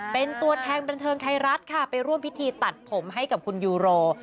เป็นตัวแทนบันเทิงไทยรัฐค่ะไปร่วมพิธีตัดผมให้กับคุณยูโร